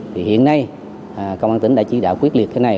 thì hiện nay công an tỉnh đã chỉ đạo quyết liệt cái này